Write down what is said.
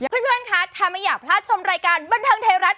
เพื่อนคะถ้าไม่อยากพลาดชมรายการบันเทิงไทยรัฐ